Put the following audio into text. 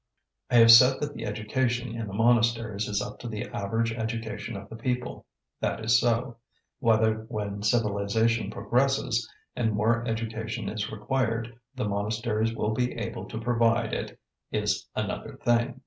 I have said that the education in the monasteries is up to the average education of the people. That is so. Whether when civilization progresses and more education is required the monasteries will be able to provide it is another thing.